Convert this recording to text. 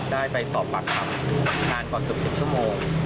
ได้ไปตอบปรับคำนานกว่าสิบสิบชั่วโมง